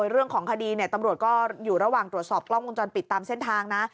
เรื่องของคดีตำรวจก็อยู่ระหว่างตรวจสอบกล้องวงจรปิดตามเส้นทางนะ